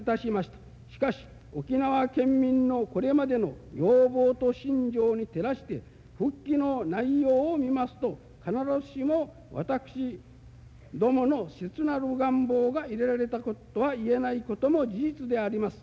しかし沖縄県民のこれまでの要望と心情に照らして復帰の内容を見ますと必ずしも私どもの切なる願望が入れられたとは言えないことも事実であります。